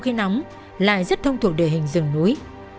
vũ khí nóng lại rất thông thuộc địa hình rừng núi